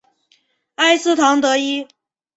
埃斯唐德伊。